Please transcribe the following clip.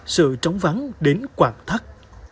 sự trống vắng đến quạt thắt